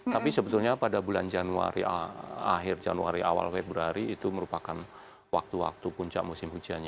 tapi sebetulnya pada bulan januari akhir januari awal februari itu merupakan waktu waktu puncak musim hujannya